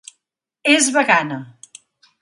És vegana.